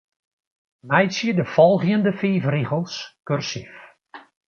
Meitsje de folgjende fiif rigels kursyf.